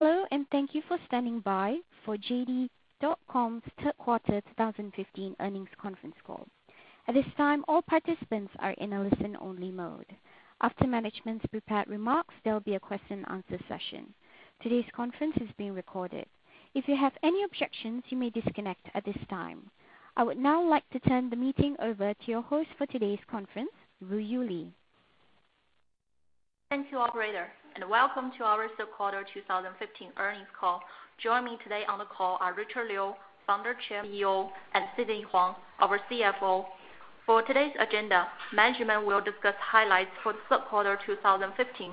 Hello, and thank you for standing by for JD.com's third quarter 2015 earnings conference call. At this time, all participants are in a listen-only mode. After management's prepared remarks, there will be a question and answer session. Today's conference is being recorded. If you have any objections, you may disconnect at this time. I would now like to turn the meeting over to your host for today's conference, Ruiyu Li. Thank you, operator, and welcome to our third quarter 2015 earnings call. Joining me today on the call are Richard Liu, Founder, Chair, CEO, and Sidney Huang, our CFO. For today's agenda, management will discuss highlights for the third quarter 2015.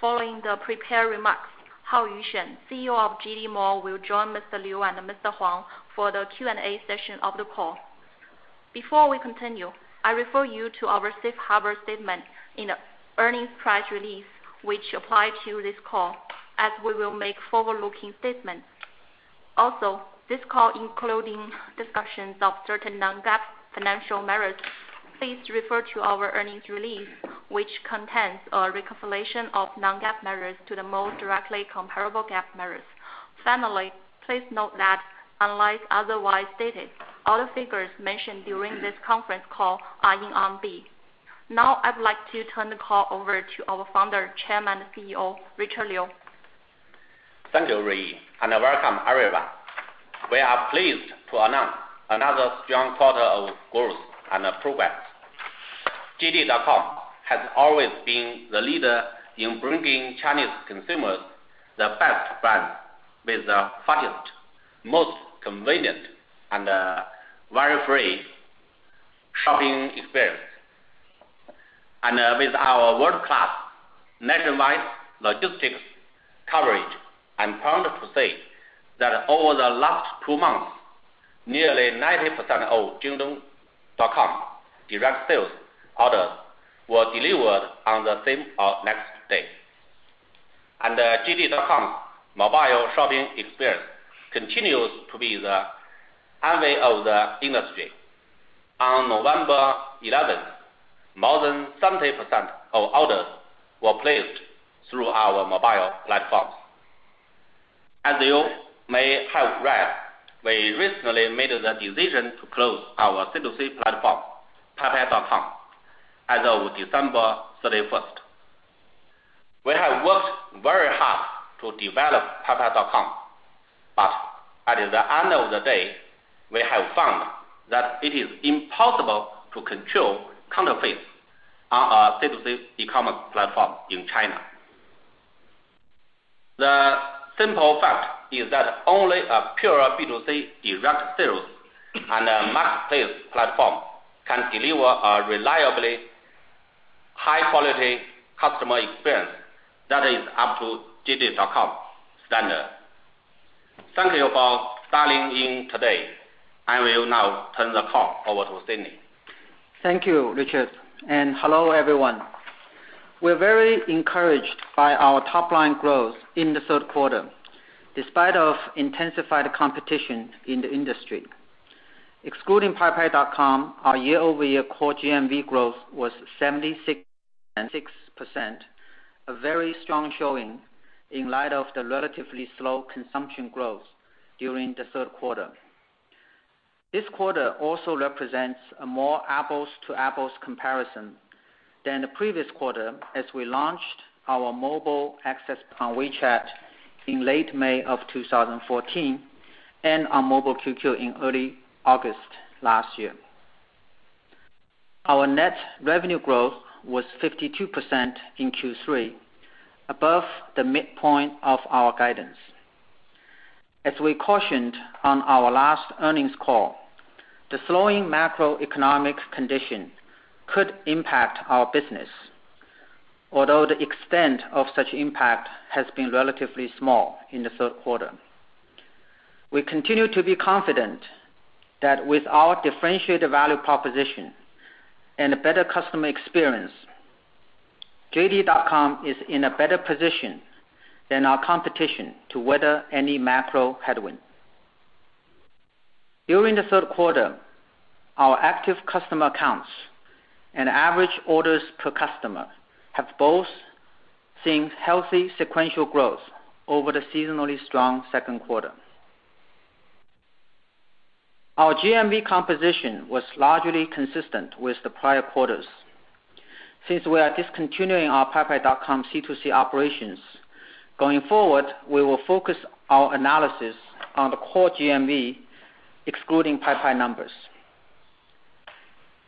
Following the prepared remarks, Haoyu Shen, CEO of JD Mall, will join Mr. Liu and Mr. Huang for the Q&A session of the call. Before we continue, I refer you to our safe harbor statement in the earnings press release, which apply to this call, as we will make forward-looking statements. Also, this call including discussions of certain non-GAAP financial measures, please refer to our earnings release, which contains a reconciliation of non-GAAP measures to the most directly comparable GAAP measures. Finally, please note that unless otherwise stated, all the figures mentioned during this conference call are in RMB. Now I'd like to turn the call over to our Founder, Chairman, and CEO, Richard Liu. Thank you, Rui, and welcome, everyone. We are pleased to announce another strong quarter of growth and progress. JD.com has always been the leader in bringing Chinese consumers the best brands with the fastest, most convenient, and worry-free shopping experience. And with our world-class nationwide logistics coverage, I'm proud to say that over the last two months, nearly 90% of JD.com direct sales orders were delivered on the same or next day. And JD.com's mobile shopping experience continues to be the envy of the industry. On November 11, more than 70% of orders were placed through our mobile platforms. As you may have read, we recently made the decision to close our C2C platform, paipai.com, as of December 31st. We have worked very hard to develop paipai.com, but at the end of the day, we have found that it is impossible to control counterfeits on a C2C e-commerce platform in China. The simple fact is that only a pure B2C direct sales and a marketplace platform can deliver a reliably high-quality customer experience that is up to JD.com's standard. Thank you for dialing in today. I will now turn the call over to Sidney. Thank you, Richard, and hello, everyone. We're very encouraged by our top-line growth in the third quarter, despite intensified competition in the industry. Excluding paipai.com, our year-over-year core GMV growth was 76%, a very strong showing in light of the relatively slow consumption growth during the third quarter. This quarter also represents a more apples-to-apples comparison than the previous quarter as we launched our mobile access on WeChat in late May of 2014 and on Mobile QQ in early August last year. Our net revenue growth was 52% in Q3, above the midpoint of our guidance. As we cautioned on our last earnings call, the slowing macroeconomic condition could impact our business, although the extent of such impact has been relatively small in the third quarter. We continue to be confident that with our differentiated value proposition and a better customer experience, JD.com is in a better position than our competition to weather any macro headwind. During the third quarter, our active customer counts and average orders per customer have both seen healthy sequential growth over the seasonally strong second quarter. Our GMV composition was largely consistent with the prior quarters. Since we are discontinuing our paipai.com C2C operations, going forward, we will focus our analysis on the core GMV, excluding paipai numbers.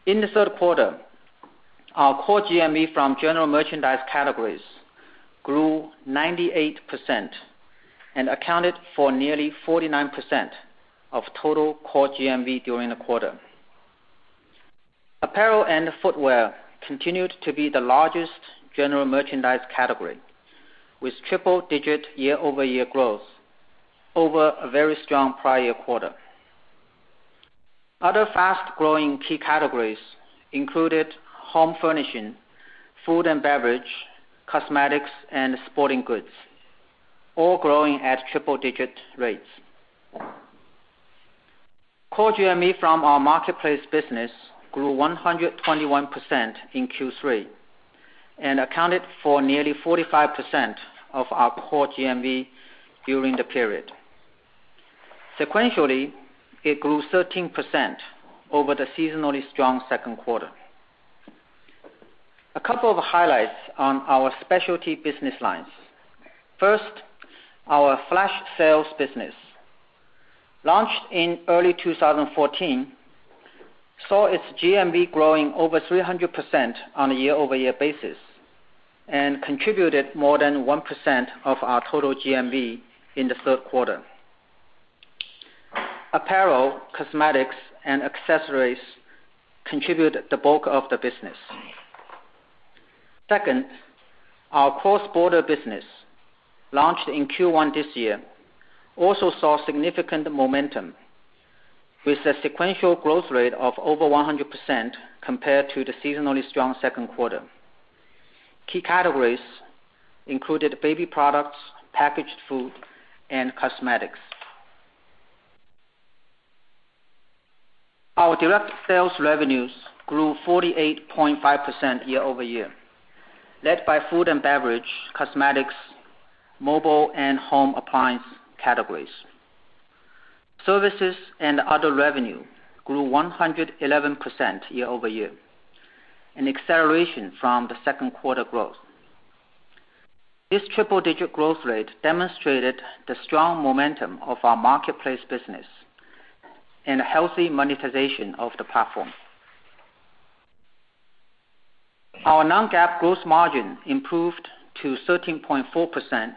In the third quarter, our core GMV from general merchandise categories grew 98% and accounted for nearly 49% of total core GMV during the quarter. Apparel and footwear continued to be the largest general merchandise category, with triple-digit year-over-year growth over a very strong prior quarter. Other fast-growing key categories included home furnishing, food and beverage, cosmetics, and sporting goods, all growing at triple-digit rates. Core GMV from our marketplace business grew 121% in Q3 and accounted for nearly 45% of our core GMV during the period. Sequentially, it grew 13% over the seasonally strong second quarter. A couple of highlights on our specialty business lines. First, our flash sales business, launched in early 2014, saw its GMV growing over 300% on a year-over-year basis and contributed more than 1% of our total GMV in the third quarter. Apparel, cosmetics, and accessories contribute the bulk of the business. Second, our cross-border business, launched in Q1 this year, also saw significant momentum with a sequential growth rate of over 100% compared to the seasonally strong second quarter. Key categories included baby products, packaged food, and cosmetics. Our direct sales revenues grew 48.5% year-over-year, led by food and beverage, cosmetics, mobile and home appliance categories. Services and other revenue grew 111% year-over-year, an acceleration from the second quarter growth. This triple-digit growth rate demonstrated the strong momentum of our marketplace business and a healthy monetization of the platform. Our non-GAAP gross margin improved to 13.4%,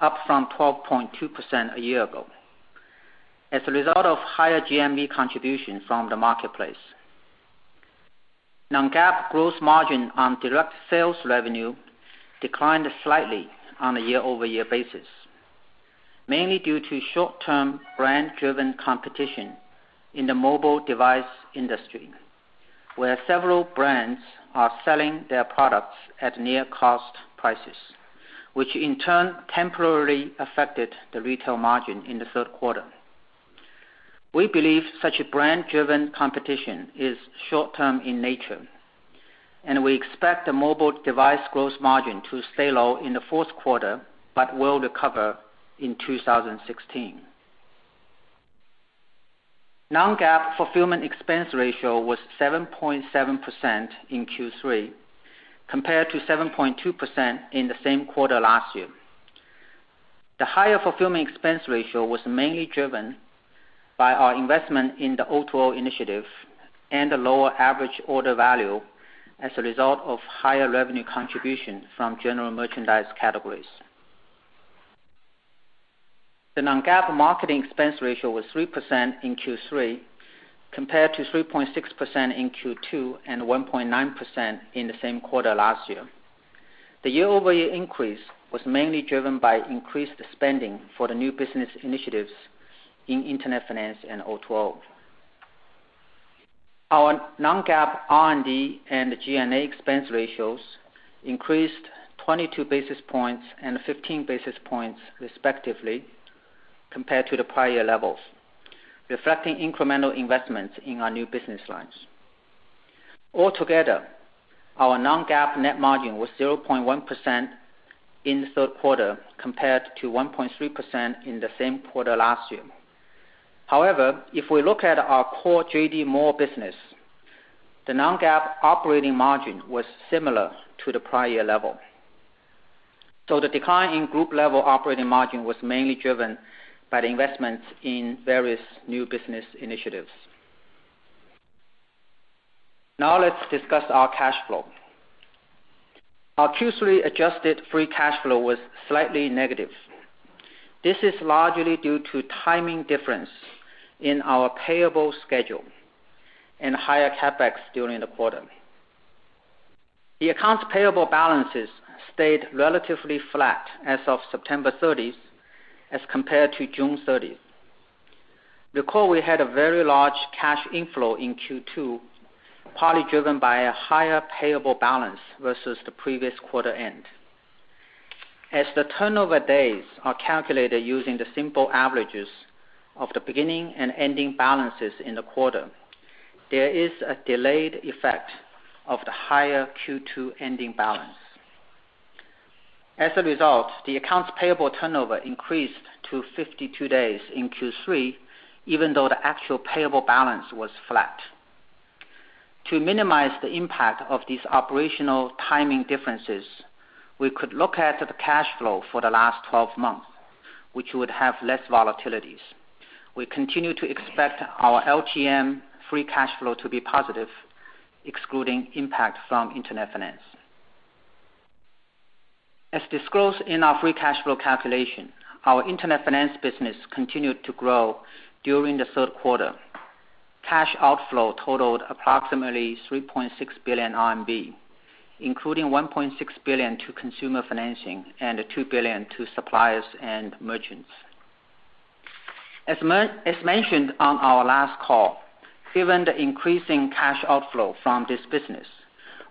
up from 12.2% a year ago, as a result of higher GMV contribution from the marketplace. Non-GAAP gross margin on direct sales revenue declined slightly on a year-over-year basis, mainly due to short-term brand-driven competition in the mobile device industry, where several brands are selling their products at near cost prices, which in turn temporarily affected the retail margin in the third quarter. We believe such a brand-driven competition is short-term in nature, we expect the mobile device gross margin to stay low in the fourth quarter, but will recover in 2016. Non-GAAP fulfillment expense ratio was 7.7% in Q3, compared to 7.2% in the same quarter last year. The higher fulfillment expense ratio was mainly driven by our investment in the O2O initiative and a lower average order value as a result of higher revenue contribution from general merchandise categories. The non-GAAP marketing expense ratio was 3% in Q3, compared to 3.6% in Q2 and 1.9% in the same quarter last year. The year-over-year increase was mainly driven by increased spending for the new business initiatives in Internet finance and O2O. Our non-GAAP R&D and G&A expense ratios increased 22 basis points and 15 basis points respectively compared to the prior year levels, reflecting incremental investments in our new business lines. Altogether, our non-GAAP net margin was 0.1% in the third quarter, compared to 1.3% in the same quarter last year. However, if we look at our core JD.com mall business, the non-GAAP operating margin was similar to the prior year level. The decline in group-level operating margin was mainly driven by the investments in various new business initiatives. Let's discuss our cash flow. Our Q3 adjusted free cash flow was slightly negative. This is largely due to timing difference in our payable schedule and higher CapEx during the quarter. The accounts payable balances stayed relatively flat as of September 30th as compared to June 30th. Recall we had a very large cash inflow in Q2, partly driven by a higher payable balance versus the previous quarter end. As the turnover days are calculated using the simple averages of the beginning and ending balances in the quarter, there is a delayed effect of the higher Q2 ending balance. As a result, the accounts payable turnover increased to 52 days in Q3, even though the actual payable balance was flat. To minimize the impact of these operational timing differences, we could look at the cash flow for the last 12 months, which would have less volatilities. We continue to expect our LTM free cash flow to be positive, excluding impact from Internet finance. As disclosed in our free cash flow calculation, our Internet finance business continued to grow during the third quarter. Cash outflow totaled approximately 3.6 billion RMB, including 1.6 billion to consumer financing and 2 billion to suppliers and merchants. As mentioned on our last call, given the increasing cash outflow from this business,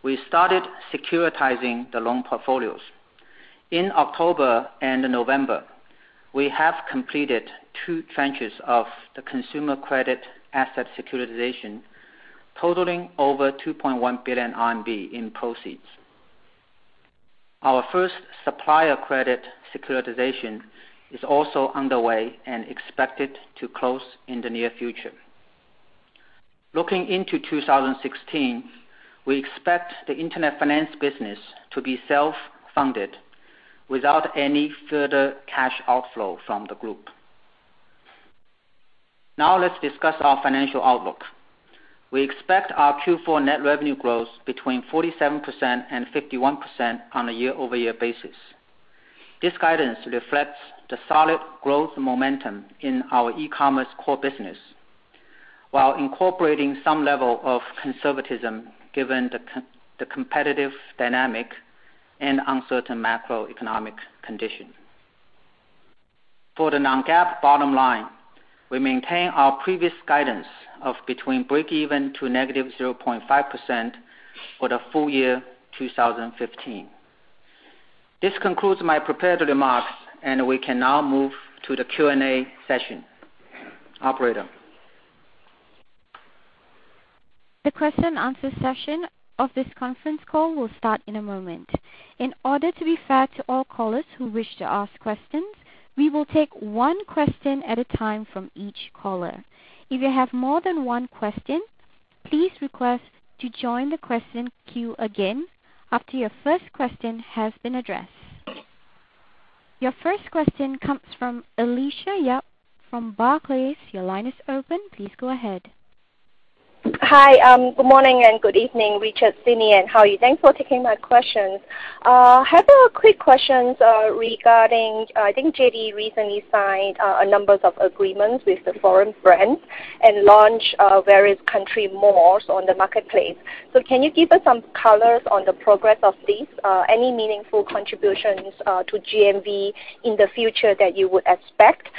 we started securitizing the loan portfolios. In October and November, we have completed two trenches of the consumer credit asset securitization totaling over 2.1 billion RMB in proceeds. Our first supplier credit securitization is also underway and expected to close in the near future. Looking into 2016, we expect the internet finance business to be self-funded without any further cash outflow from the group. Now let's discuss our financial outlook. We expect our Q4 net revenue growth between 47% and 51% on a year-over-year basis. This guidance reflects the solid growth momentum in our e-commerce core business while incorporating some level of conservatism given the competitive dynamic and uncertain macroeconomic condition. For the non-GAAP bottom line, we maintain our previous guidance of between breakeven to negative 0.5% for the full year 2015. This concludes my prepared remarks. We can now move to the Q&A session. Operator? The question and answer session of this conference call will start in a moment. In order to be fair to all callers who wish to ask questions, we will take one question at a time from each caller. If you have more than one question, please request to join the question queue again after your first question has been addressed. Your first question comes from Alicia Yap from Barclays. Your line is open. Please go ahead. Hi. Good morning and good evening, Richard, Sidney, and Haoyu. Thanks for taking my questions. I have a quick question regarding, I think JD.com recently signed a number of agreements with the foreign brands and launched various country malls on the marketplace. Can you give us some colors on the progress of this, any meaningful contributions to GMV in the future that you would expect?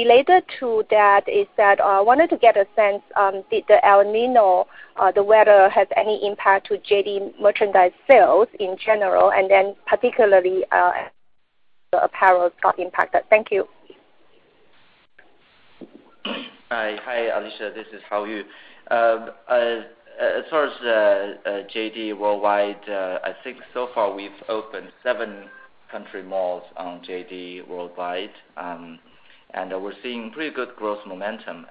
Related to that is that I wanted to get a sense, did the El Niño, the weather, have any impact to JD.com merchandise sales in general, and then particularly the apparel got impacted? Thank you. Hi, Alicia. This is Haoyu. Far as JD.com Worldwide, I think so far we've opened seven country malls on JD.com Worldwide, we're seeing pretty good growth momentum.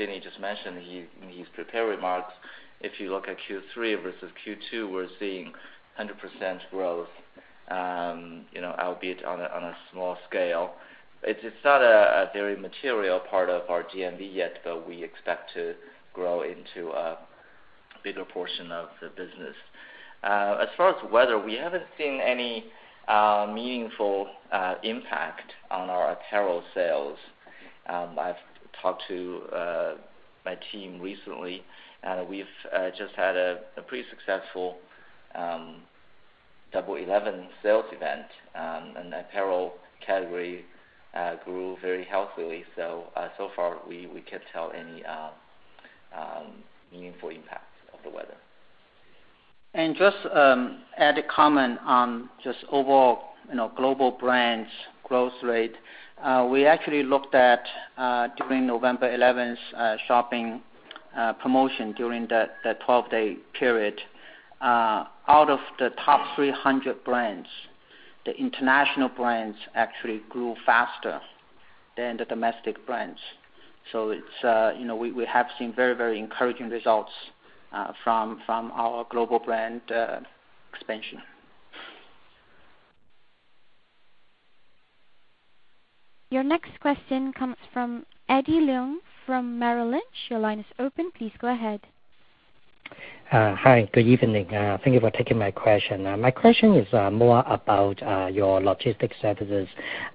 Sidney just mentioned in his prepared remarks, if you look at Q3 versus Q2, we're seeing 100% growth, albeit on a small scale. It's not a very material part of our GMV yet, we expect to grow into a bigger portion of the business. Far as weather, we haven't seen any meaningful impact on our apparel sales. I've talked to my team recently. We've just had a pretty successful Double Eleven sales event, the apparel category grew very healthily. Far we can't tell any meaningful impact of the weather. Just add a comment on just overall global brands growth rate. We actually looked at, during November 11th's shopping promotion, during the 12-day period. Out of the top 300 brands, the international brands actually grew faster than the domestic brands. We have seen very encouraging results from our global brand expansion. Your next question comes from Eddie Leung from Merrill Lynch. Your line is open. Please go ahead. Hi. Good evening. Thank you for taking my question. My question is more about your logistics services.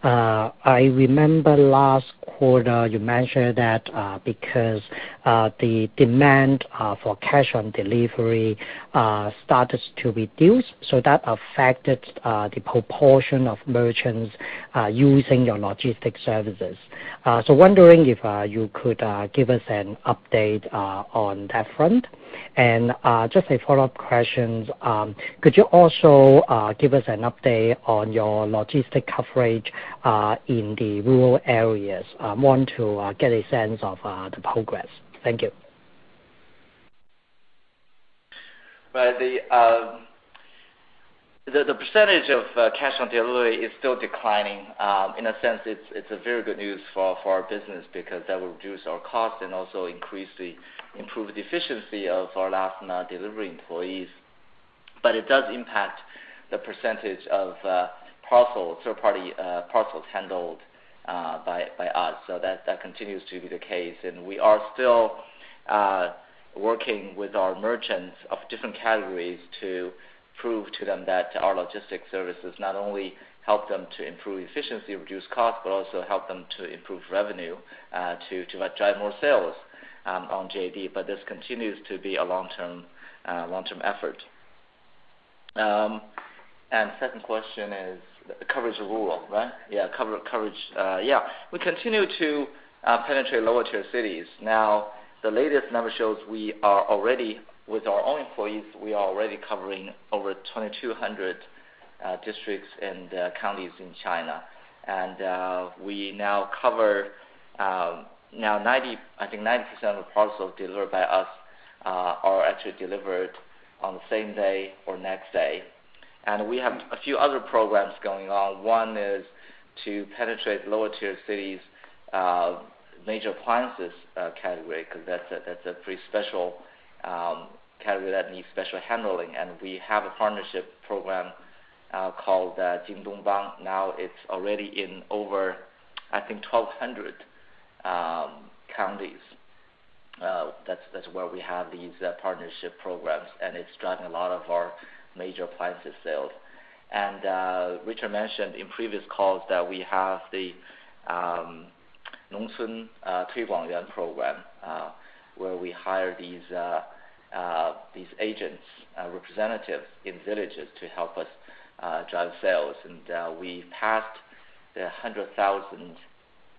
I remember last quarter you mentioned that because the demand for cash on delivery started to reduce, that affected the proportion of merchants using your logistics services. Wondering if you could give us an update on that front. Just a follow-up question, could you also give us an update on your logistic coverage in the rural areas? I want to get a sense of the progress. Thank you. Right. The percentage of cash on delivery is still declining. In a sense, it's a very good news for our business because that will reduce our cost and also improve the efficiency of our last mile delivery employees. It does impact the percentage of third-party parcels handled by us. That continues to be the case, and we are still working with our merchants of different categories to prove to them that our logistics services not only help them to improve efficiency, reduce cost, but also help them to improve revenue to drive more sales on JD.com. This continues to be a long-term effort. Second question is the coverage rule, right? Yeah. We continue to penetrate lower-tier cities. Now, the latest number shows with our own employees, we are already covering over 2,200 districts and counties in China. We now cover, I think 90% of the parcels delivered by us are actually delivered on the same day or next day. We have a few other programs going on. One is to penetrate lower-tier cities' major appliances category, because that's a pretty special category that needs special handling. We have a partnership program called Now it's already in over, I think, 1,200 counties. That's where we have these partnership programs, and it's driving a lot of our major appliances sales. Richard mentioned in previous calls that we have the program, where we hire these agents, representatives in villages to help us drive sales. We passed the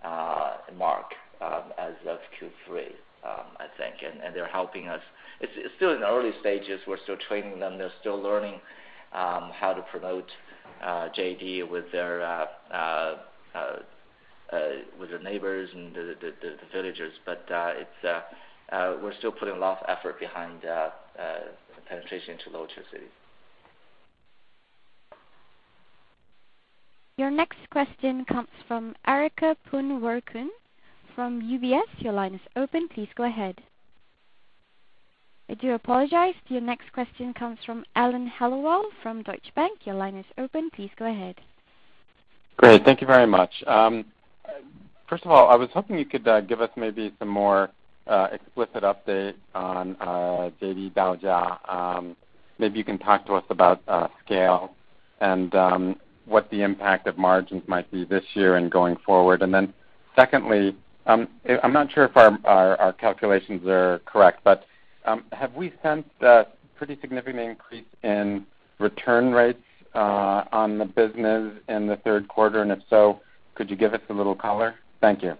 100,000 mark as of Q3, I think. They're helping us. It's still in the early stages. We're still training them. They're still learning how to promote JD.com with their neighbors and the villagers. We're still putting a lot of effort behind the penetration into lower-tier cities. Your next question comes from Erica Poon Werkun from UBS. Your line is open. Please go ahead. I do apologize. Your next question comes from Alan Hellawell from Deutsche Bank. Your line is open. Please go ahead. Great. Thank you very much. First of all, I was hoping you could give us maybe some more explicit update on JD.com. Maybe you can talk to us about scale and what the impact of margins might be this year and going forward. Secondly, I'm not sure if our calculations are correct, but have we sensed a pretty significant increase in return rates on the business in the third quarter? If so, could you give us a little color? Thank you.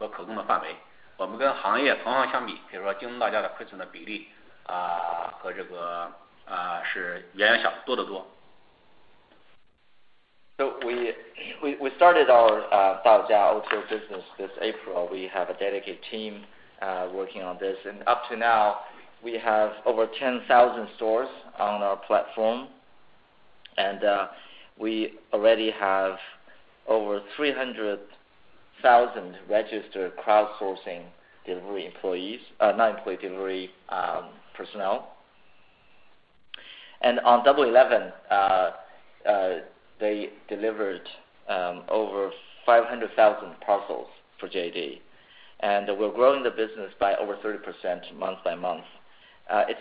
We started our business this April. We have a dedicated team working on this. Up to now, we have over 10,000 stores on our platform, and we already have over 300,000 registered crowdsourcing delivery personnel. On Double 11, they delivered over 500,000 parcels for JD.com. We're growing the business by over 30% month by month. In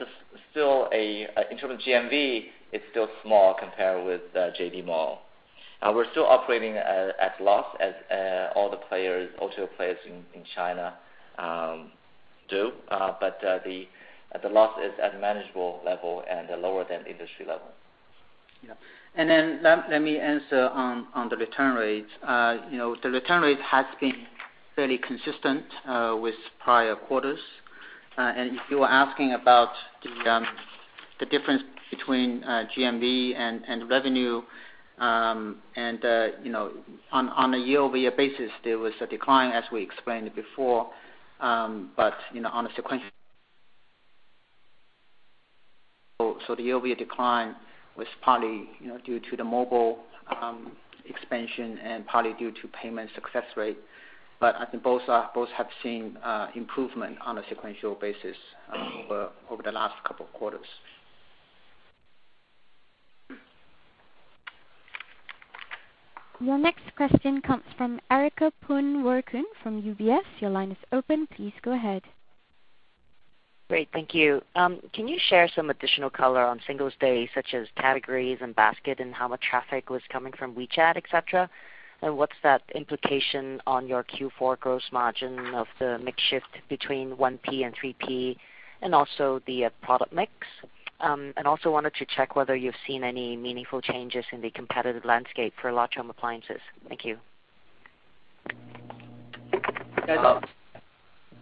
terms of GMV, it's still small compared with JD MALL. We're still operating at a loss as all the O2O players in China do. The loss is at a manageable level and lower than industry level. Yeah. Let me answer on the return rates. The return rate has been fairly consistent with prior quarters. If you were asking about the difference between GMV and revenue on a year-over-year basis, there was a decline, as we explained it before. The year-over-year decline was partly due to the mobile expansion and partly due to payment success rate. I think both have seen improvement on a sequential basis over the last couple of quarters. Your next question comes from Erica Poon Werkun from UBS. Your line is open. Please go ahead. Great. Thank you. Can you share some additional color on Singles Day, such as categories and basket and how much traffic was coming from WeChat, et cetera? What's that implication on your Q4 gross margin of the mix shift between 1P and 3P and also the product mix? Also wanted to check whether you've seen any meaningful changes in the competitive landscape for large home appliances. Thank you.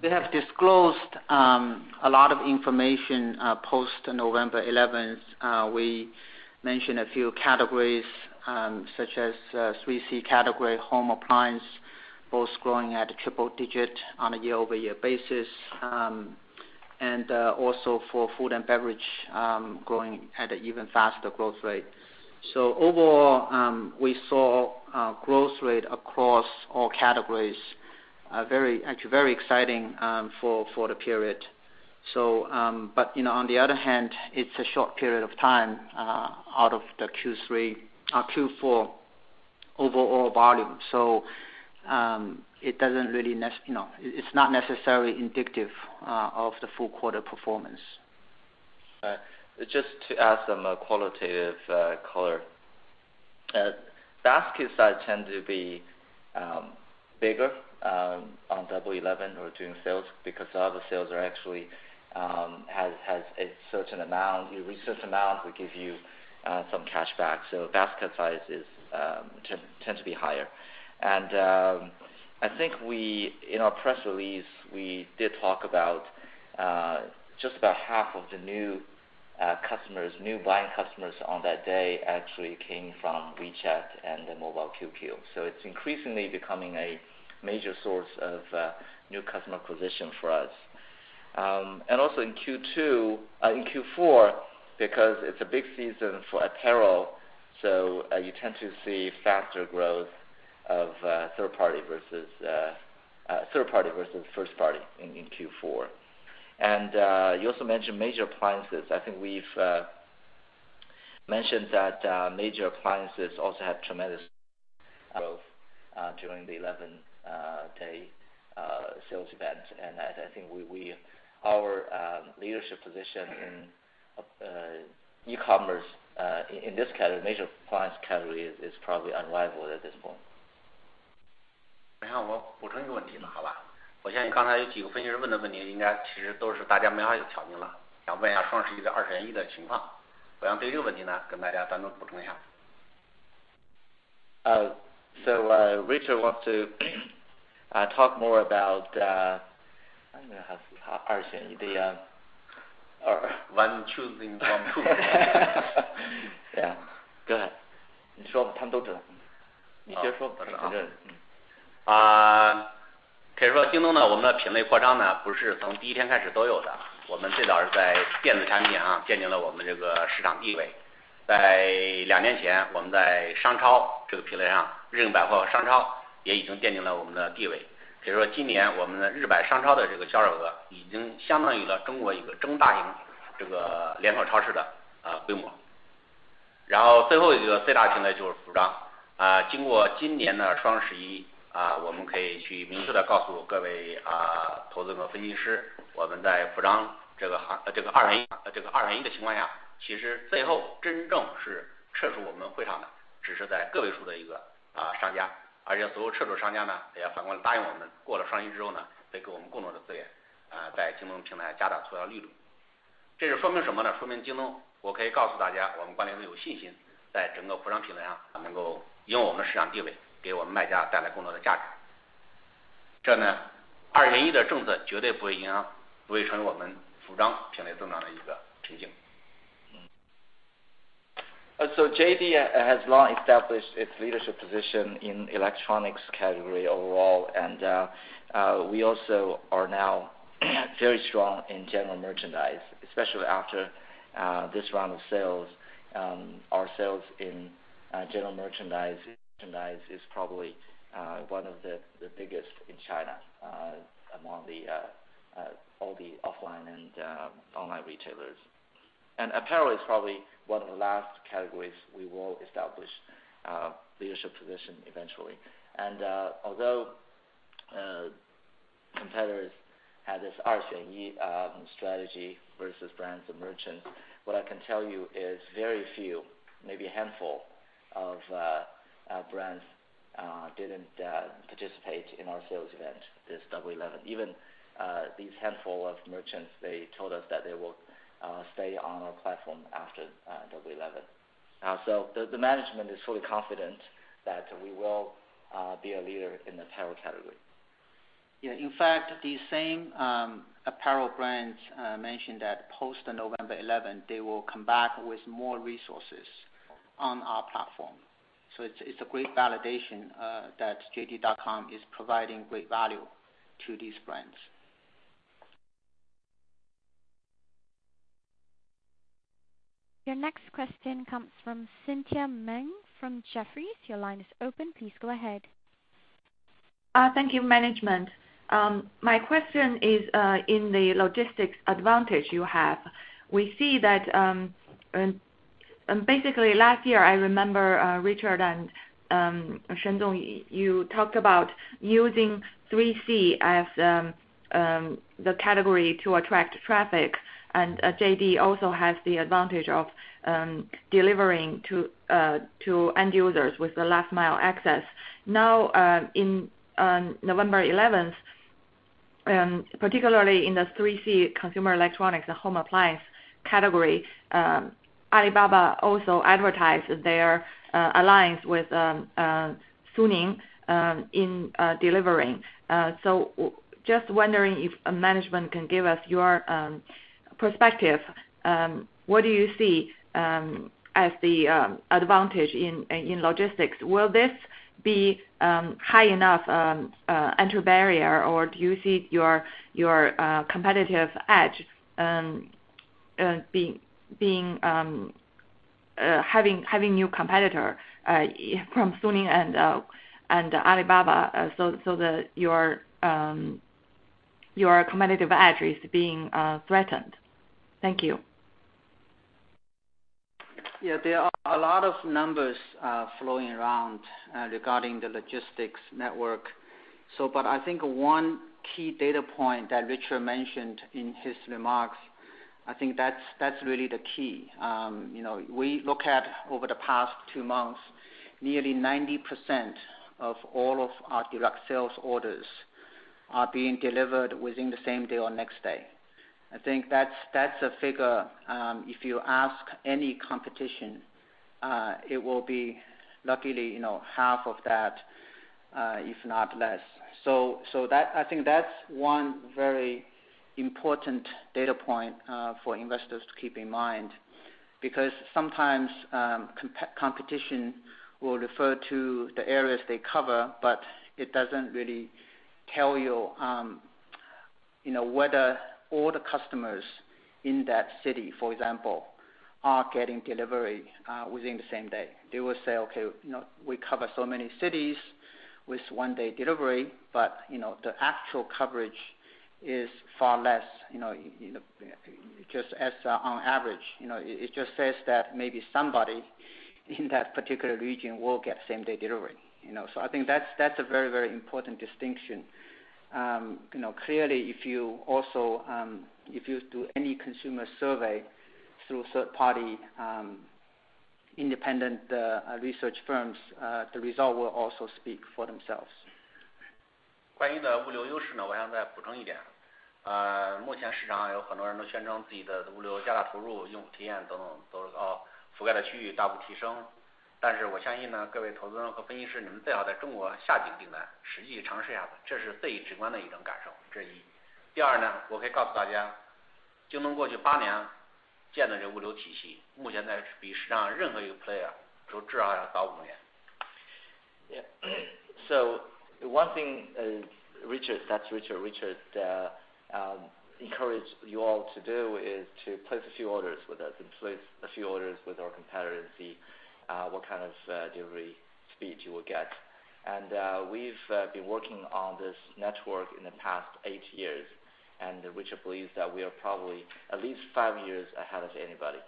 They have disclosed a lot of information post November 11th. We mentioned a few categories, such as 3C category home appliance, both growing at a triple digit on a year-over-year basis. Also for food and beverage, growing at an even faster growth rate. Overall, we saw growth rate across all categories. Actually, very exciting for the period. On the other hand, it's a short period of time out of the Q4 overall volume, so it's not necessarily indicative of the full quarter performance. Right. Just to add some qualitative color. Basket size tends to be bigger on Double Eleven or during sales, because all the sales actually has a certain amount. You reach this amount, we give you some cashback. Basket size tends to be higher. I think in our press release, we did talk about just about half of the new buying customers on that day actually came from WeChat and Mobile QQ. It's increasingly becoming a major source of new customer acquisition for us. Also in Q4, because it's a big season for apparel, you tend to see faster growth of third party versus first party in Q4. You also mentioned major appliances. I think we've mentioned that major appliances also had tremendous growth during the 11-day sales event. I think our leadership position in e-commerce in this major appliance category is probably unrivaled at this point. Richard wants to talk more about One choosing from two. Yeah. Go ahead. JD.com has long established its leadership position in electronics category overall, and we also are now very strong in general merchandise, especially after this round of sales. Our sales in general merchandise is probably one of the biggest in China among all the offline and online retailers. Apparel is probably one of the last categories we will establish leadership position eventually. Although competitors had this strategy versus brands and merchants, what I can tell you is very few, maybe a handful of brands didn't participate in our sales event, this Double Eleven. Even these handful of merchants, they told us that they will stay on our platform after Double Eleven. The management is fully confident that we will be a leader in the apparel category. Yeah. In fact, the same apparel brands mentioned that post November 11, they will come back with more resources on our platform. It's a great validation that JD.com is providing great value to these brands. Your next question comes from Cynthia Meng from Jefferies. Your line is open. Please go ahead. Thank you, management. My question is in the logistics advantage you have. We see that last year, I remember, Richard and Shen Haoyu, you talked about using 3C as the category to attract traffic, and JD.com also has the advantage of delivering to end users with the last-mile access. Now, in November 11th, particularly in the 3C consumer electronics and home appliance category, Alibaba also advertises their alliance with Suning in delivering. Just wondering if management can give us your perspective. What do you see as the advantage in logistics? Will this be high enough entry barrier, or do you see your competitive edge having new competitor from Suning and Alibaba, so that your competitive edge is being threatened? Thank you. Yeah, there are a lot of numbers flowing around regarding the logistics network. I think one key data point that Richard mentioned in his remarks, I think that's really the key. We look at, over the past two months, nearly 90% of all of our direct sales orders are being delivered within the same day or next day. I think that's a figure, if you ask any competition, it will be likely half of that, if not less. I think that's one very important data point for investors to keep in mind, because sometimes competition will refer to the areas they cover, but it doesn't really tell you whether all the customers in that city, for example, are getting delivery within the same day. They will say, "Okay, we cover so many cities with one-day delivery," but the actual coverage is far less, just as on average. It just says that maybe somebody in that particular region will get same-day delivery. I think that's a very important distinction. Clearly, if you do any consumer survey through third-party independent research firms, the result will also speak for themselves. One thing, that's Richard. Richard encouraged you all to do is to place a few orders with us and place a few orders with our competitor and see what kind of delivery speed you will get. We've been working on this network in the past eight years, and Richard believes that we are probably at least five years ahead of anybody.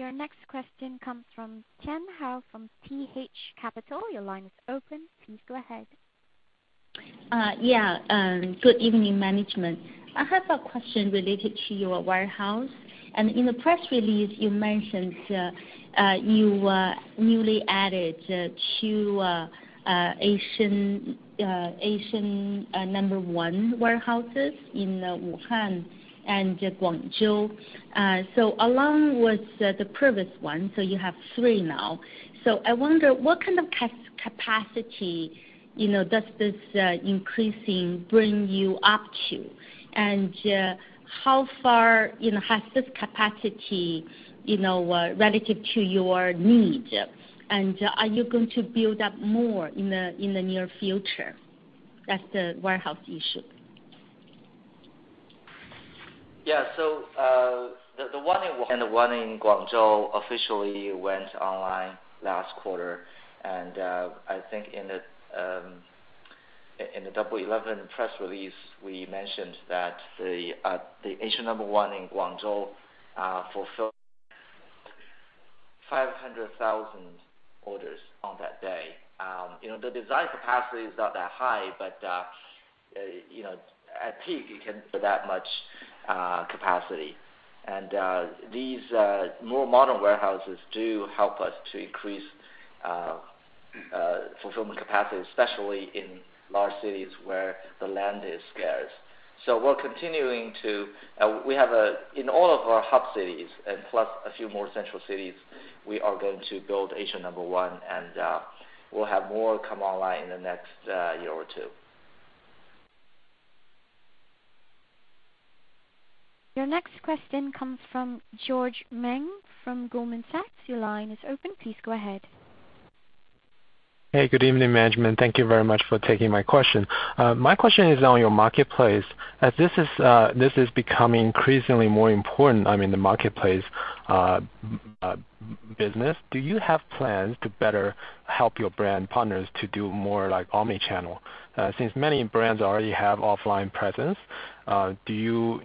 Your next question comes from Tian Hou from T.H. Capital. Your line is open. Please go ahead. Good evening, management. I have a question related to your warehouse. In the press release, you mentioned you newly added 2 Asia No. 1 warehouses in Wuhan and Guangzhou. Along with the previous one, you have 3 now. I wonder, what kind of capacity does this increasing bring you up to? And how far has this capacity relative to your needs? And are you going to build up more in the near future? That's the warehouse issue. The one in Wuhan and the one in Guangzhou officially went online last quarter. I think in the 11/11 press release, we mentioned that the Asia No. 1 in Guangzhou fulfilled 500,000 orders on that day. The design capacity is not that high, but at peak, it can do that much capacity. These more modern warehouses do help us to increase fulfillment capacity, especially in large cities where the land is scarce. In all of our hub cities and plus a few more central cities, we are going to build Asia No. 1, and we'll have more come online in the next year or two. Your next question comes from George Meng from Goldman Sachs. Your line is open. Please go ahead. Hey, good evening, management. Thank you very much for taking my question. My question is on your marketplace. This is becoming increasingly more important, the marketplace business. Do you have plans to better help your brand partners to do more like omni-channel? Since many brands already have offline presence, how do you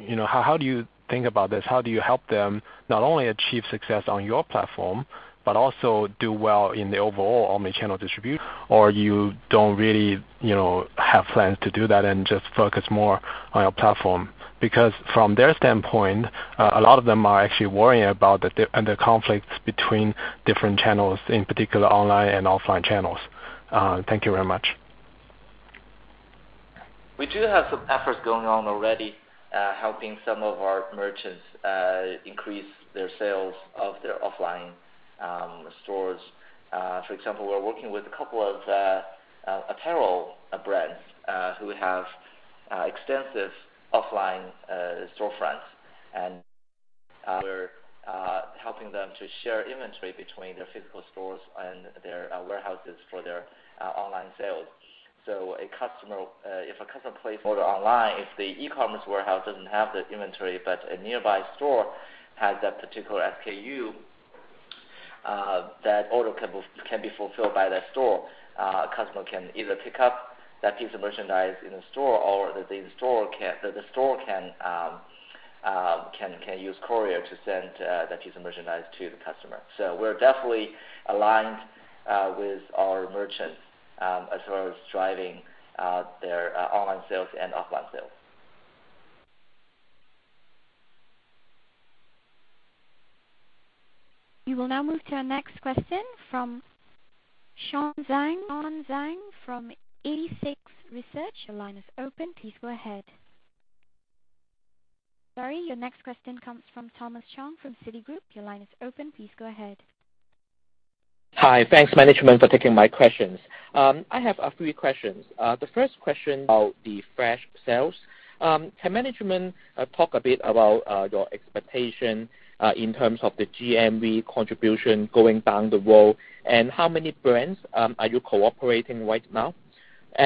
think about this? How do you help them not only achieve success on your platform but also do well in the overall omni-channel distribution? Or you don't really have plans to do that and just focus more on your platform? Because from their standpoint, a lot of them are actually worrying about the conflicts between different channels, in particular, online and offline channels. Thank you very much. We do have some efforts going on already, helping some of our merchants increase their sales of their offline stores. For example, we're working with a couple of apparel brands who have extensive offline storefronts, and we're helping them to share inventory between their physical stores and their warehouses for their online sales. If a customer places order online, if the e-commerce warehouse doesn't have the inventory, but a nearby store has that particular SKU, that order can be fulfilled by that store. A customer can either pick up that piece of merchandise in the store, or the store can use courier to send that piece of merchandise to the customer. We're definitely aligned with our merchants as far as driving their online sales and offline sales. We will now move to our next question from Sean Zhang from 86Research. Your line is open. Please go ahead. Sorry, your next question comes from Thomas Chong from Citigroup. Your line is open. Please go ahead. Hi. Thanks, management, for taking my questions. I have three questions. The first question about the flash sales. Can management talk a bit about your expectation in terms of the GMV contribution going down the road, and how many brands are you cooperating with right now?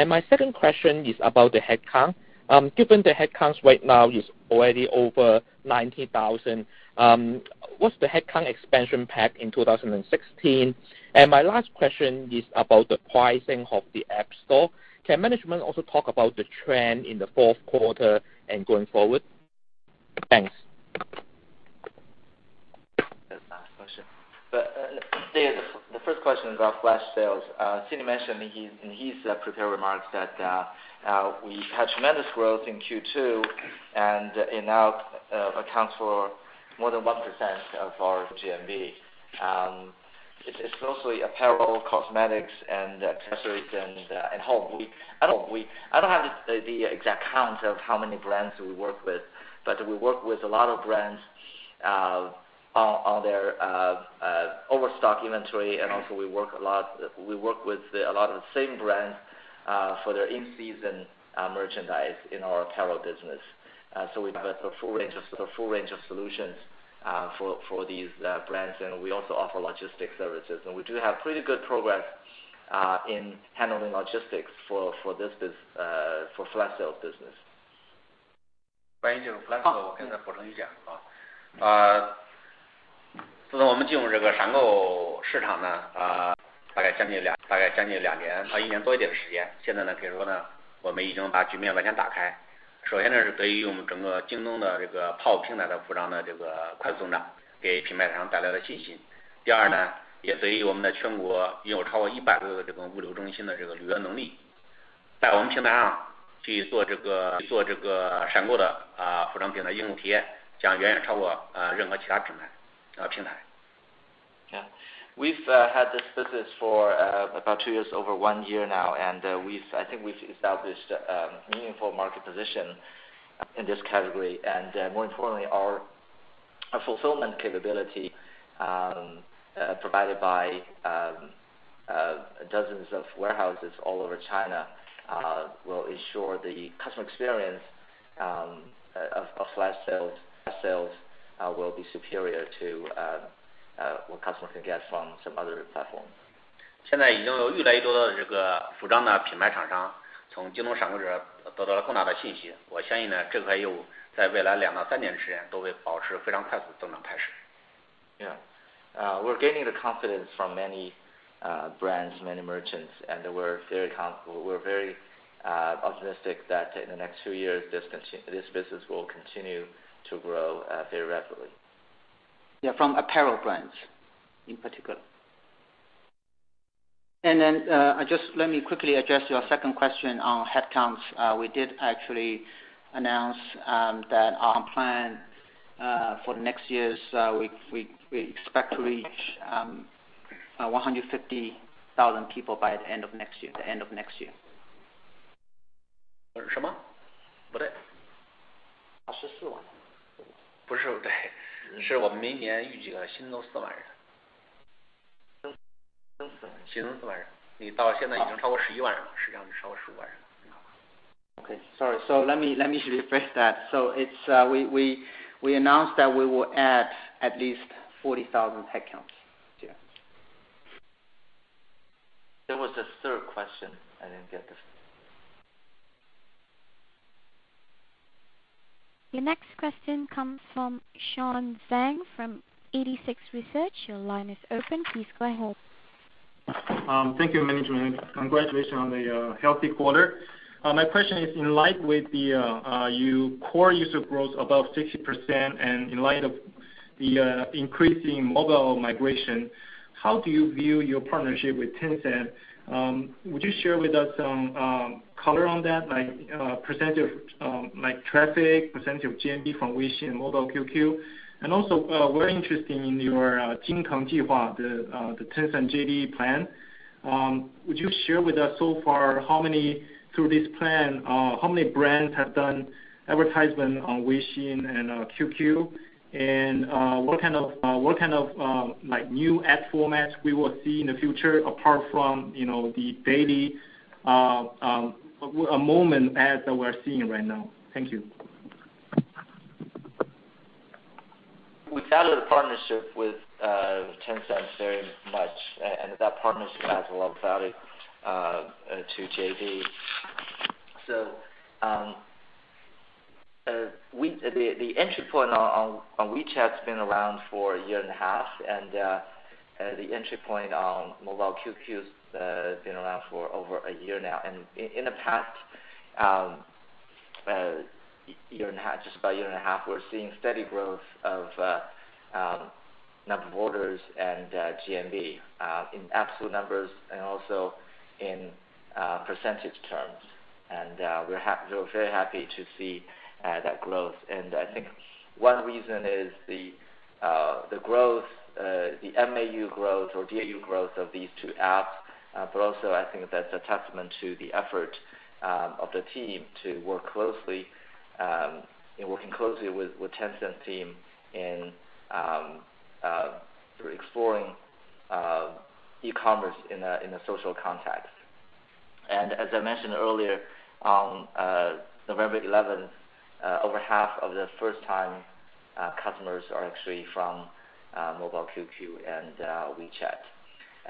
My second question is about the headcount. Given the headcounts right now is already over 90,000, what's the headcount expansion pack in 2016? My last question is about the pricing of the App Store. Can management also talk about the trend in the fourth quarter and going forward? Thanks. That's a nice question. The first question is about flash sales. Sidney mentioned in his prepared remarks that we had tremendous growth in Q2, and it now accounts for more than 1% of our GMV. It's mostly apparel, cosmetics, and accessories, and home. I don't have the exact count of how many brands we work with, but we work with a lot of brands on their overstock inventory, and also we work with a lot of the same brands for their in-season merchandise in our apparel business. We have a full range of solutions for these brands, and we also offer logistics services. We do have pretty good progress in handling logistics for flash sales business. Yeah. We've had this business for about two years, over one year now, and I think we've established a meaningful market position in this category. Our fulfillment capability provided by dozens of warehouses all over China will ensure the customer experience of flash sales will be superior to what customers can get from some other platforms. Yeah. We're gaining the confidence from many brands, many merchants, and we're very optimistic that in the next two years, this business will continue to grow very rapidly. Yeah, from apparel brands in particular. Just let me quickly address your second question on headcounts. We did actually announce that our plan for the next years, we expect to reach 150,000 people by the end of next year. Okay, sorry. Let me rephrase that. We announced that we will add at least 40,000 headcounts. Yeah. There was a third question. I didn't get the. Your next question comes from Sean Zhang from 86Research. Your line is open. Please go ahead. Thank you, management. Congratulations on the healthy quarter. My question is, in light with your core user growth above 60% and in light of the increasing mobile migration, how do you view your partnership with Tencent? Would you share with us some color on that? Like percentage of traffic, percentage of GMV from WeChat and Mobile QQ. Also, we're interested in your, the Tencent JD.com plan. Would you share with us so far, through this plan, how many brands have done advertisement on WeChat and QQ? What kind of new ad formats we will see in the future apart from the daily moment ads that we're seeing right now? Thank you. We value the partnership with Tencent very much, that partnership adds a lot of value to JD.com. The entry point on WeChat's been around for a year and a half, and the entry point on Mobile QQ has been around for over a year now. In the past just about a year and a half, we're seeing steady growth of number of orders and GMV in absolute numbers and also in percentage terms. We're very happy to see that growth. I think one reason is the MAU growth or DAU growth of these 2 apps. Also, I think that's a testament to the effort of the team to working closely with Tencent team in exploring e-commerce in a social context. As I mentioned earlier, on November 11th, over half of the first-time customers are actually from Mobile QQ and WeChat.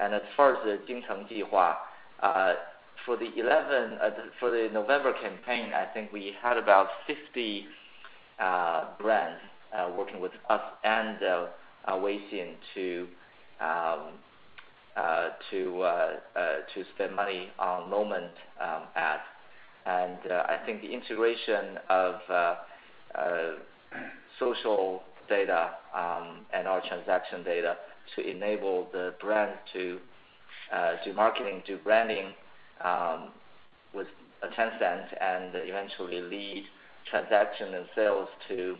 As far as the for the November campaign, I think we had about 50 brands working with us and WeChat to spend money on moment ads. I think the integration of social data and our transaction data to enable the brand to do marketing, do branding with Tencent and eventually lead transaction and sales to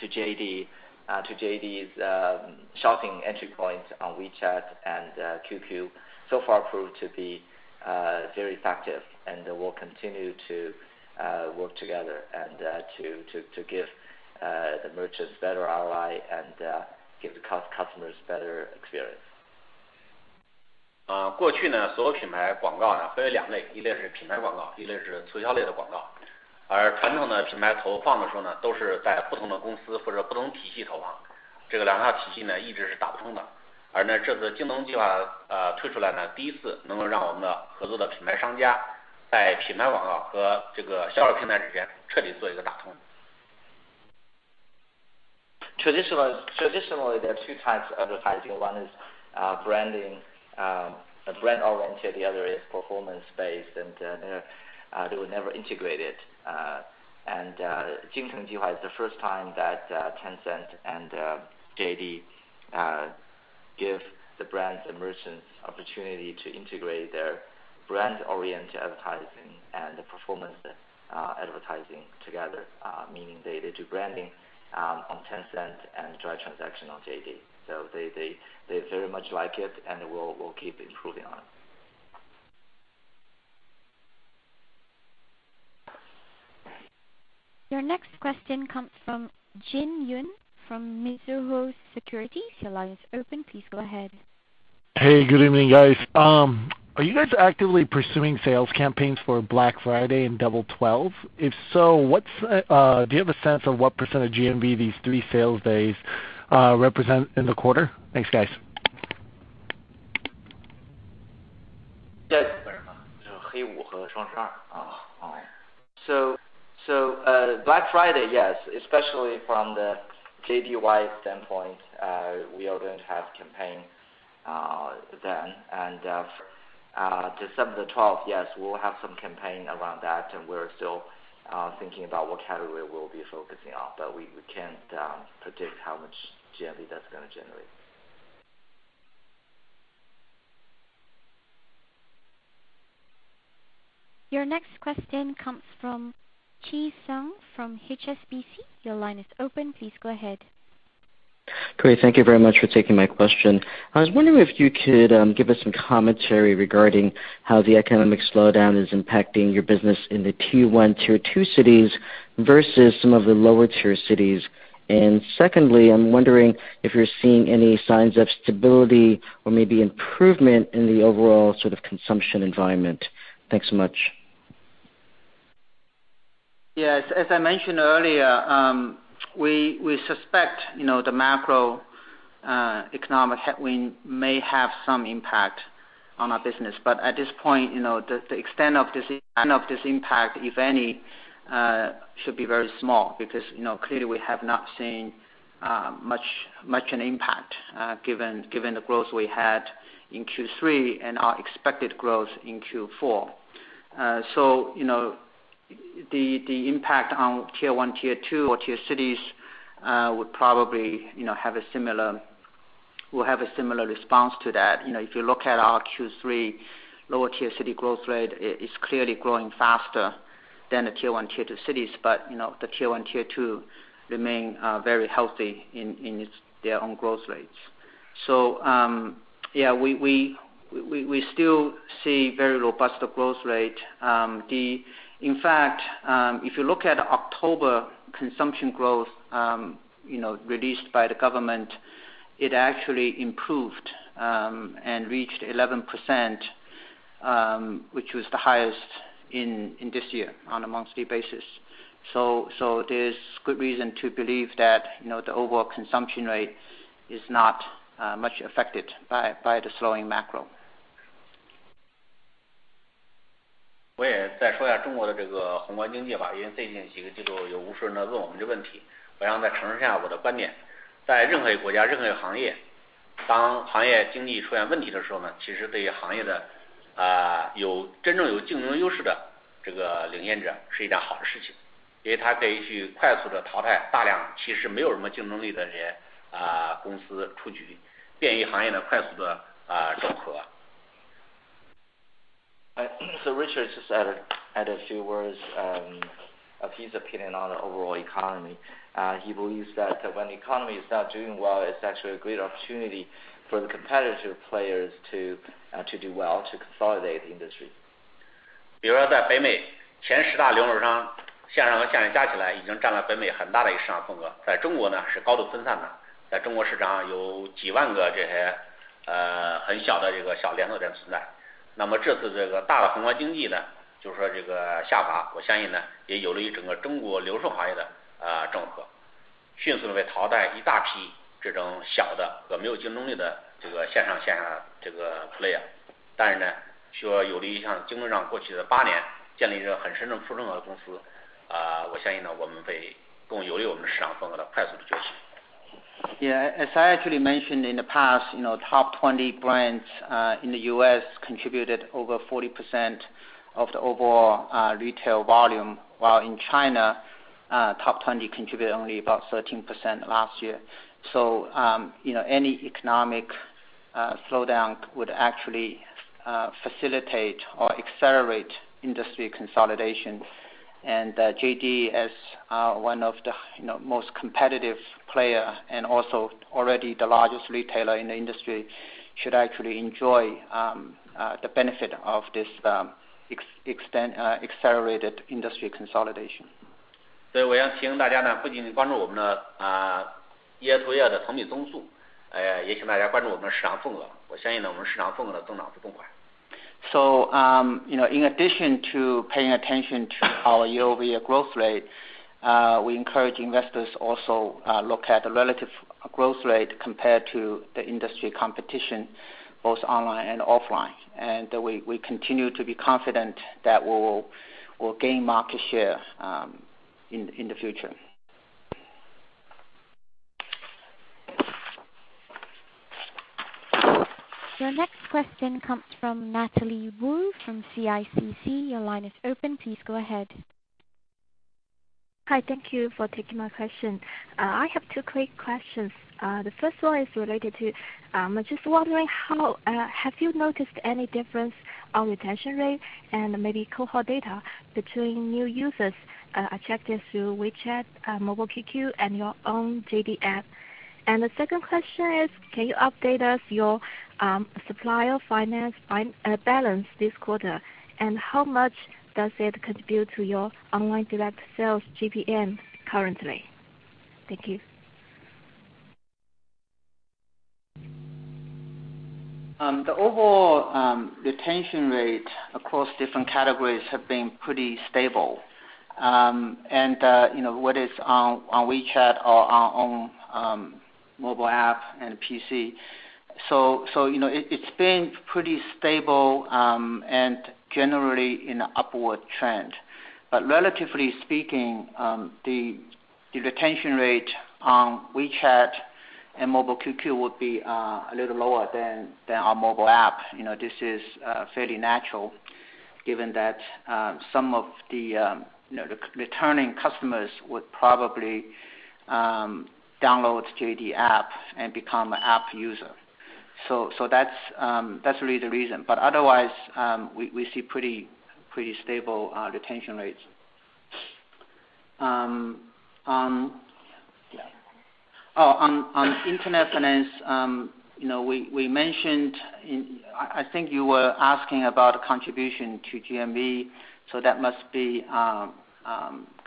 JD.com's shopping entry points on WeChat and QQ so far proved to be very effective. We'll continue to work together and to give the merchants better ROI and give the customers better experience. Traditionally, there are 2 types of advertising. One is brand-oriented, the other is performance-based, they were never integrated. Is the first time that Tencent and JD.com give the brands and merchants the opportunity to integrate their brand-oriented advertising and the performance advertising together, meaning they do branding on Tencent and drive transaction on JD.com. They very much like it, and we'll keep improving on it. Your next question comes from Jin Yoon from Mizuho Securities. Your line is open. Please go ahead. Hey, good evening, guys. Are you guys actively pursuing sales campaigns for Black Friday and Double Twelve? If so, do you have a sense of what % of GMV these three sales days represent in the quarter? Thanks, guys. Black Friday, yes, especially from the JD.com wide standpoint, we are going to have campaign then. December the 12th, yes, we'll have some campaign around that, and we're still thinking about what category we'll be focusing on. We can't predict how much GMV that's going to generate. Your next question comes from Chi Tsang from HSBC. Your line is open. Please go ahead. Great. Thank you very much for taking my question. I was wondering if you could give us some commentary regarding how the economic slowdown is impacting your business in the tier 1, tier 2 cities versus some of the lower-tier cities. Secondly, I am wondering if you are seeing any signs of stability or maybe improvement in the overall sort of consumption environment. Thanks so much. Yes. As I mentioned earlier, we suspect the macroeconomic headwind may have some impact on our business. At this point, the extent of this impact, if any, should be very small because clearly, we have not seen much an impact given the growth we had in Q3 and our expected growth in Q4. The impact on tier 1, tier 2, or tier cities will have a similar response to that. If you look at our Q3 Lower-tier city growth rate is clearly growing faster than the tier 1, tier 2 cities. The tier 1, tier 2 remain very healthy in their own growth rates. In fact, if you look at October consumption growth released by the government, it actually improved and reached 11%, which was the highest this year on a monthly basis. Richard just added a few words of his opinion on the overall economy. He believes that when the economy is not doing well, it is actually a great opportunity for the competitive players to do well, to consolidate the industry. Yeah, as I actually mentioned in the past, top 20 brands in the U.S. contributed over 40% of the overall retail volume, while in China, top 20 contributed only about 13% last year. Any economic slowdown would actually facilitate or accelerate industry consolidation. JD.com, as one of the most competitive player and also already the largest retailer in the industry, should actually enjoy the benefit of this accelerated industry consolidation. In addition to paying attention to our year-over-year growth rate, we encourage investors also look at the relative growth rate compared to the industry competition, both online and offline. We continue to be confident that we'll gain market share in the future. Your next question comes from Natalie Wu from CICC. Your line is open. Please go ahead. Hi. Thank you for taking my question. I have two quick questions. The first one is related to, just wondering, have you noticed any difference on retention rate and maybe cohort data between new users attracted through WeChat, Mobile QQ, and your own JD.com app? The second question is, can you update us your supplier finance balance this quarter, and how much does it contribute to your online direct sales GPM currently? Thank you. The overall retention rate across different categories have been pretty stable, and whether it's on WeChat or our own mobile app and PC. It's been pretty stable and generally in a upward trend. Relatively speaking, the retention rate on WeChat and Mobile QQ would be a little lower than our mobile app. This is fairly natural given that some of the returning customers would probably download JD.com app and become an app user. That's really the reason. Otherwise, we see pretty stable retention rates. On internet finance, we mentioned I think you were asking about contribution to GMV, so that must be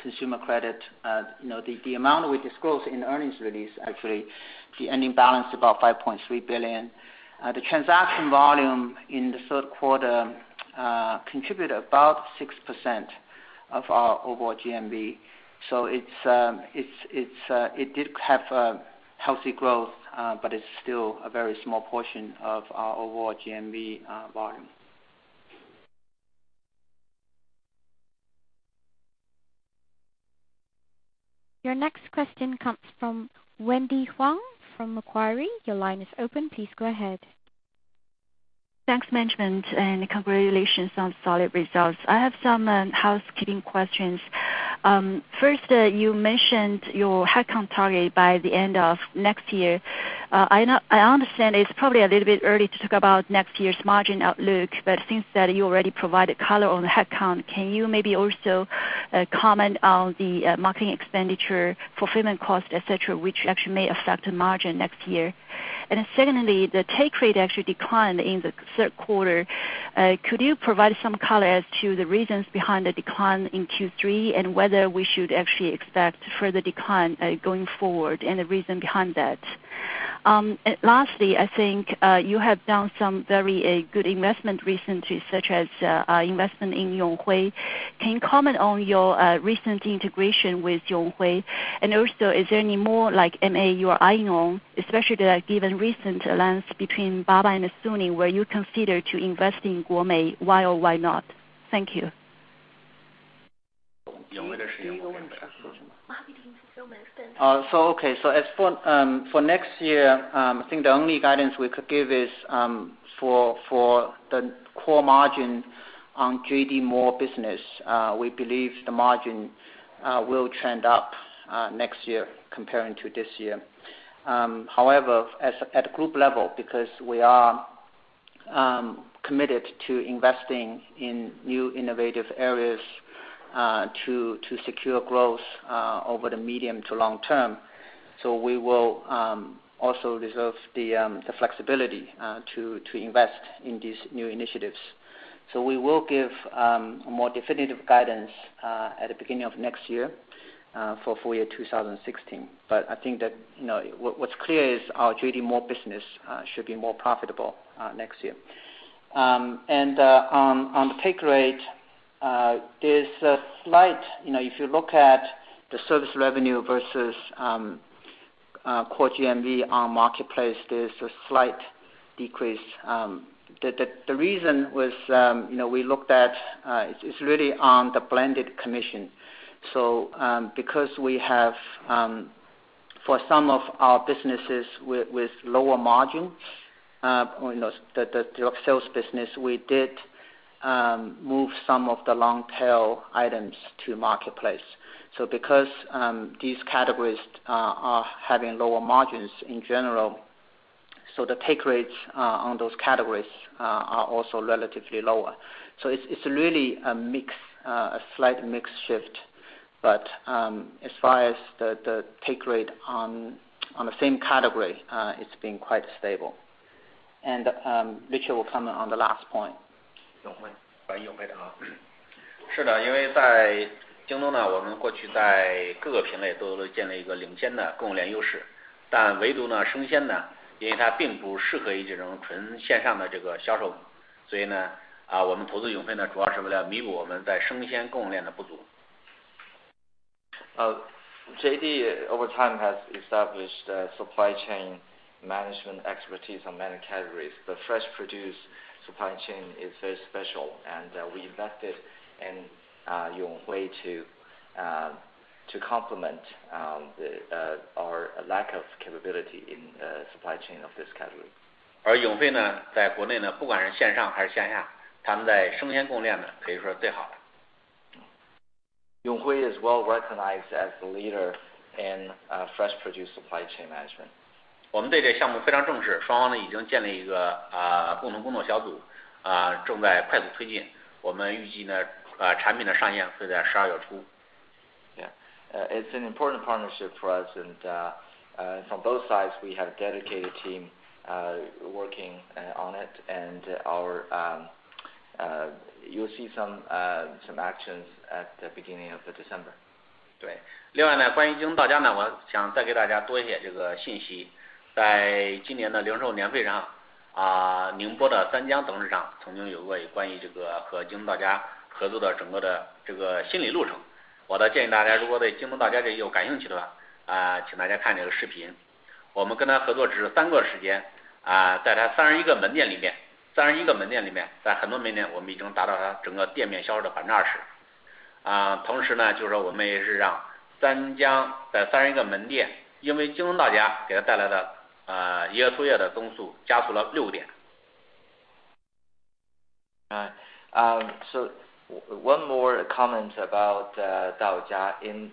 consumer credit. The amount we disclose in the earnings release, actually, the ending balance is about 5.3 billion. The transaction volume in the third quarter contributed about 6% of our overall GMV. It did have a healthy growth, but it is still a very small portion of our overall GMV volume. Your next question comes from Wendy Huang from Macquarie. Your line is open. Please go ahead. Thanks, management, and congratulations on solid results. I have some housekeeping questions. First, you mentioned your headcount target by the end of next year. I understand it is probably a little bit early to talk about next year's margin outlook, but since you already provided color on the headcount, can you maybe also comment on the marketing expenditure, fulfillment cost, et cetera, which actually may affect the margin next year? Secondly, the take rate actually declined in the third quarter. Could you provide some color as to the reasons behind the decline in Q3 and whether we should actually expect further decline going forward, and the reason behind that? Lastly, I think you have done some very good investment recently, such as investment in Yonghui Superstores. Can you comment on your recent integration with Yonghui Superstores? Also, is there any more like M&A deals, especially given recent alliance between Baba and Suning, will you consider to invest in Gome? Why or why not? Thank you. Okay. As for next year, I think the only guidance we could give is for the core margin on JD MALL business. We believe the margin will trend up next year comparing to this year. However, at group level, because we are committed to investing in new innovative areas to secure growth over the medium to long term, we will also reserve the flexibility to invest in these new initiatives. We will give more definitive guidance at the beginning of next year for full year 2016. I think that what's clear is our JD MALL business should be more profitable next year. On the take rate, if you look at the service revenue versus core GMV on marketplace, there's a slight decrease. The reason was, it's really on the blended commission. Because for some of our businesses with lower margin, the direct sales business, we did move some of the long tail items to marketplace. Because these categories are having lower margins in general, the take rates on those categories are also relatively lower. It's really a slight mix shift. As far as the take rate on the same category, it's been quite stable. Richard will comment on the last point. JD.com over time has established a supply chain management expertise on many categories. The fresh produce supply chain is very special and we invested in Yonghui to complement our lack of capability in the supply chain of this category. Yonghui is well-recognized as the leader in fresh produce supply chain management. Yeah. It's an important partnership for us. From both sides, we have dedicated team working on it and you'll see some actions at the beginning of December. One more comment about Daojia. In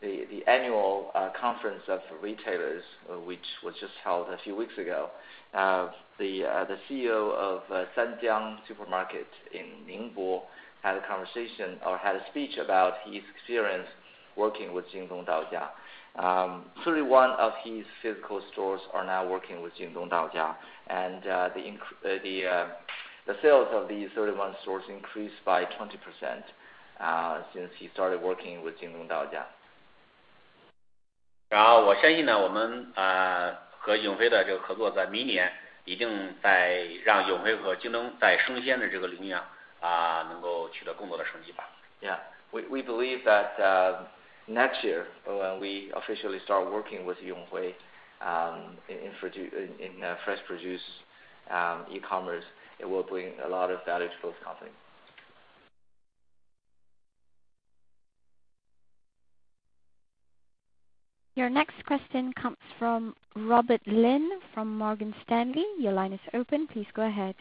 the annual conference of retailers, which was just held a few weeks ago, the CEO of Sanjiang Shopping Club in Ningbo had a conversation or had a speech about his experience working with JD Daojia. 31 of his physical stores are now working with JD Daojia, and the sales of these 31 stores increased by 20% since he started working with JD Daojia. Yeah. We believe that, next year, when we officially start working with Yonghui, in fresh produce e-commerce, it will bring a lot of value to both companies. Your next question comes from Robert Lin from Morgan Stanley. Your line is open. Please go ahead.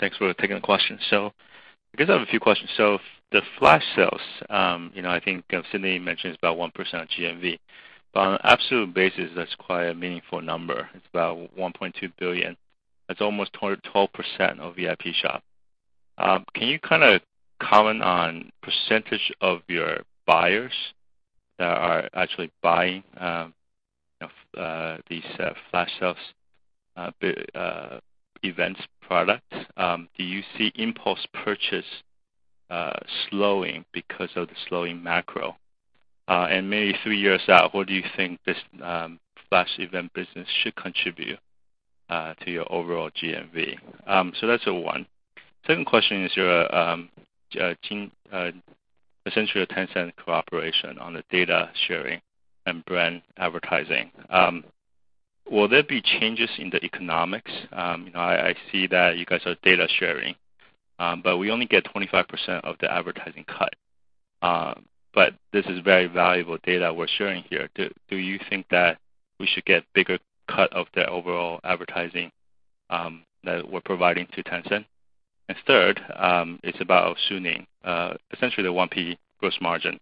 Thanks for taking the question. I guess I have a few questions. The flash sales, I think Sidney mentioned it's about 1% of GMV, but on an absolute basis, that's quite a meaningful number. It's about 1.2 billion. That's almost 12% of Vipshop. Can you comment on percentage of your buyers that are actually buying these flash sales events products? Do you see impulse purchase slowing because of the slowing macro? And maybe three years out, what do you think this flash event business should contribute to your overall GMV? That's one. Second question is essentially a Tencent cooperation on the data sharing and brand advertising. Will there be changes in the economics? I see that you guys are data sharing. We only get 25% of the advertising cut. This is very valuable data we're sharing here. Do you think that we should get bigger cut of the overall advertising that we're providing to Tencent? Third, it's about Suning, essentially, the 1P gross margin.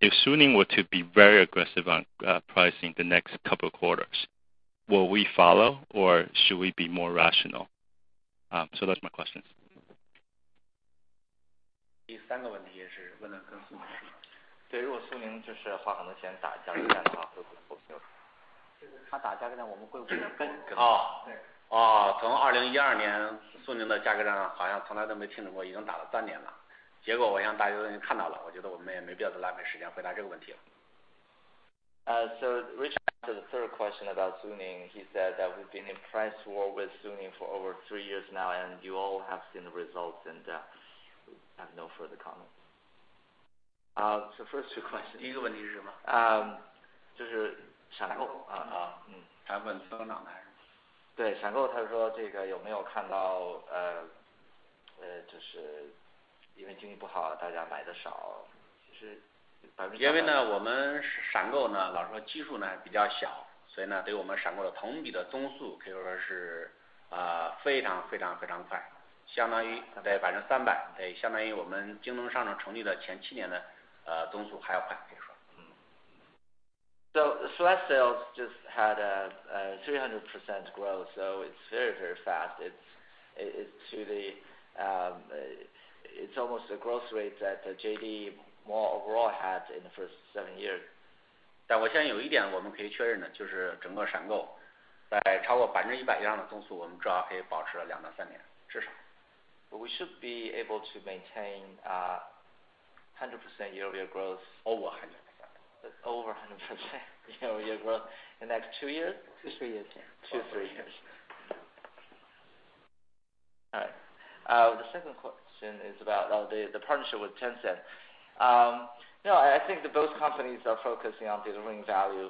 If Suning were to be very aggressive on pricing the next couple of quarters, will we follow, or should we be more rational? Those are my questions. Reaching out to the third question about Suning, he said that we've been in price war with Suning for over three years now, and you all have seen the results, and we have no further comment. First two questions. The flash sales just had a 300% growth. It's very, very fast. It's almost the growth rate that JD.com overall had in the first seven years. We should be able to maintain 100% year-over-year growth- Over 100%. Over 100% year-over-year growth. The next two years? Two, three years, yeah. Two, three years. All right. The second question is about the partnership with Tencent. I think that both companies are focusing on delivering value.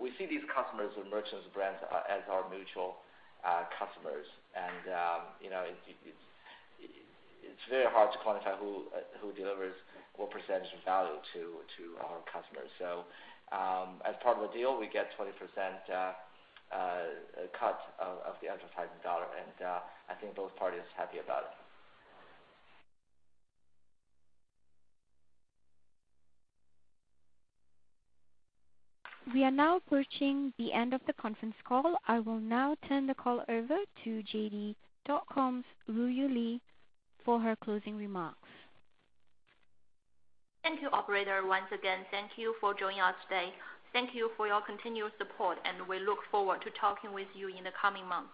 We see these customers with merchants brands as our mutual customers, and it's very hard to quantify who delivers what percentage of value to our customers. As part of the deal, we get 20% cut of the advertising dollar, and I think both parties are happy about it. We are now approaching the end of the conference call. I will now turn the call over to JD.com's Ruiyu Li for her closing remarks. Thank you, operator. Once again, thank you for joining us today. Thank you for your continuous support. We look forward to talking with you in the coming months.